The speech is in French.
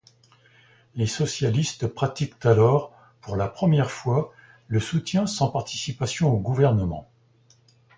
Les socialistes pratiquent alors pour la première fois le soutien sans participation au gouvernement.